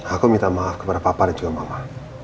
aku minta maaf kepada papa dan juga mama